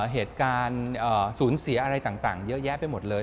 เหตุการณ์สูญเสียอะไรต่างเยอะแยะไปหมดเลย